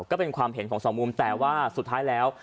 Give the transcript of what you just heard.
ก็เป็นความเห็นของสองมุมแต่ว่าสุดท้ายแล้ว